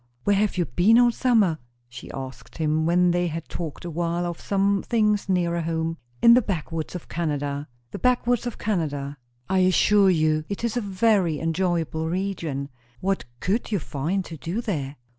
"Where have you been all summer?" she asked him, when they had talked awhile of some things nearer home. "In the backwoods of Canada." "The backwoods of Canada!" "I assure you it is a very enjoyable region." "What could you find to do there?"